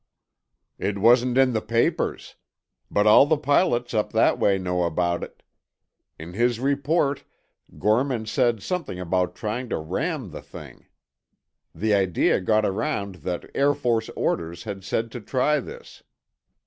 "It wasn't in the papers. But all the pilots up that way know about it. In his report, Gorman said something about trying to ram the thing. The idea got around that Air Force orders had said to try this.